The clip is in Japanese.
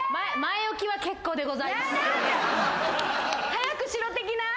「早くしろ」的な？